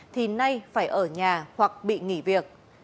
thì nay phải ở nhà hoặc bị nghỉ việc